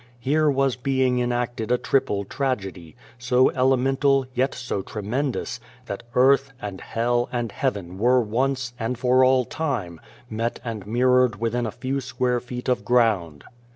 Here was being enacted a triple tragedy, so elemental, yet so tremendous, that Earth, and Hell, and Heaven were once, and for all time, met and mirrored within a few square feet of ground.